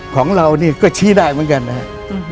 ของเรานี่ก็ชี้ได้เหมือนกันนะครับ